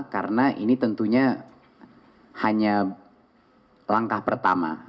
karena ini tentunya hanya langkah pertama